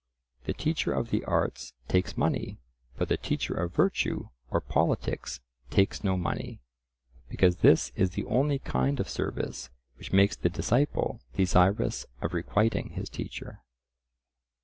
The teacher of the arts takes money, but the teacher of virtue or politics takes no money, because this is the only kind of service which makes the disciple desirous of requiting his teacher.